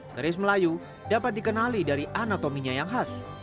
keris melayu dapat dikenali dari anatominya yang khas